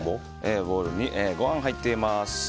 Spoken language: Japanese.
ボウルにご飯が入っています。